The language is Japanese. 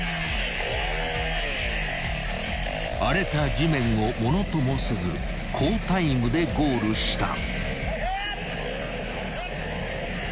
［荒れた地面をものともせず好タイムでゴールした］